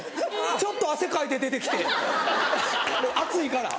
ちょっと汗かいて出て来て暑いから。